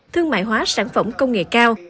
thương mại hóa sản phẩm công nghệ cao